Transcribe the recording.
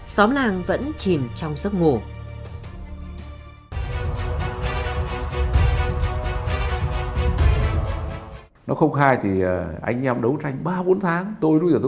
xóm làng vẫn chìm trong giấc ngủ